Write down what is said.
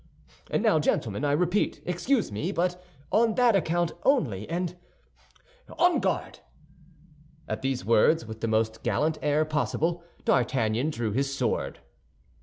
And now, gentlemen, I repeat, excuse me, but on that account only, and—on guard!" At these words, with the most gallant air possible, D'Artagnan drew his sword.